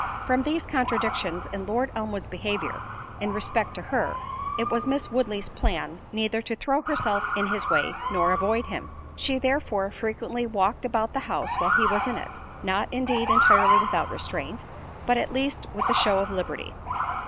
From these contradictions in Lord Elmwood's behaviour in respect to her, it was Miss Woodley's plan neither to throw herself in his way, nor avoid him. She therefore frequently walked about the house while he was in it, not indeed entirely without restraint, but at least with the show of liberty.